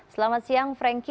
selamat siang franky